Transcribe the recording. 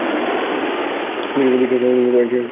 বিষয়টি নিয়ে বিশ্ব স্বাস্থ্য সংস্থা একটি তদন্ত চালায়।